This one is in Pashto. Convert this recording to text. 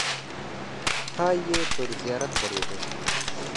پای یې پر زیارت درېده.